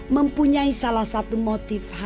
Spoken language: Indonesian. mempunyai salah satu motif khas